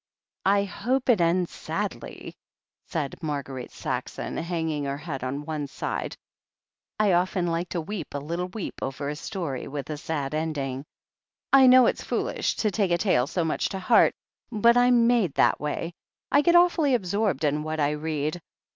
"I hope it ends sadly," said Marguerite Saxon, hang ing her head on one side. "I often like to weep a little weep over a story with a sad ending. I know it's fool 236 THE HEEL OF ACHILLES ish to take a tale so much to heart, but Fm made that way. I get awfully absorbed in what I read.